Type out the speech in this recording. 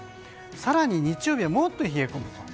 更に日曜日は、もっと冷え込む。